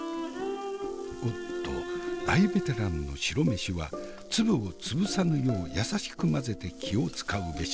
おっと大ベテランの白飯は粒を潰さぬよう優しく混ぜて気を遣うべし。